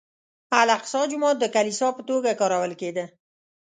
الاقصی جومات د کلیسا په توګه کارول کېده.